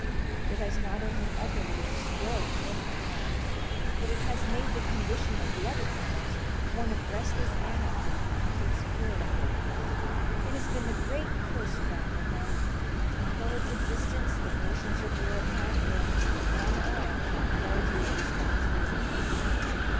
It has not only utterly destroyed many tribes, but it has made the condition of the other tribes one of restless anarchy and insecurity. It has been the great curse of Africa, and for its existence the nations of Europe have been, and are, largely responsible.